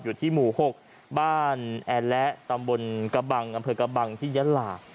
อยู่ที่หมู่๖บ้านแอนและตำบลกระบังอำเภอกระบังที่ยะลา